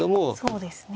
そうですね。